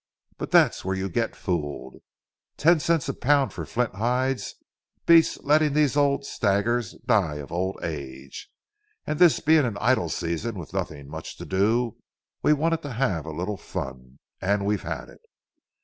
But that's where you get fooled. Ten cents a pound for flint hides beats letting these old stagers die of old age. And this being an idle season with nothing much to do, we wanted to have a little fun. And we've had it.